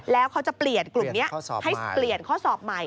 แล้วเขาจะเปลี่ยนกลุ่มนี้ให้เปลี่ยนข้อสอบใหม่